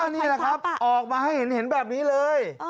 นี่แหละครับออกมาให้เห็นแบบนี้เลย